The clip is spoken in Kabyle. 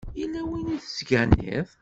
Yella win i tettganiḍ?